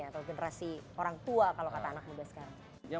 atau generasi orang tua kalau kata anak muda sekarang